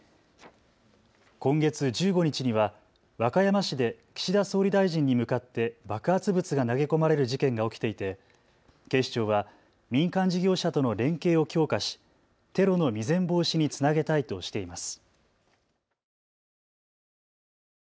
今月１５日には和歌山市で岸田総理大臣に向かって爆発物が投げ込まれる事件が起きていて警視庁は民間事業者との連携を強化しテロの未然防止につなげたいとしています。